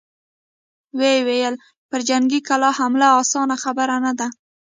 ويې ويل: پر جنګي کلا حمله اسانه خبره نه ده!